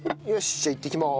じゃあいってきます。